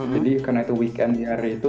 jadi karena itu weekend di hari itu